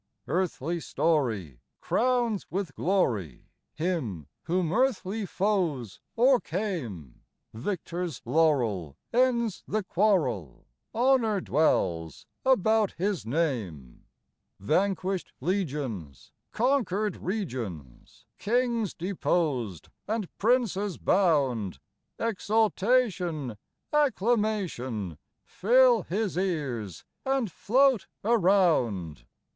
Earthly story crowns with glory Him whom earthly foes o'ercame ; Victor's laurel ends the quarrel, Honor dwells about His name. Vanquished legions, conquered regions, Kings deposed, and princes bound ; Exultation, acclamation, Fill His ears, and float around.